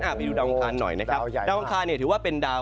ไปดูดาวอังคารหน่อยนะครับดาวอังคารเนี่ยถือว่าเป็นดาว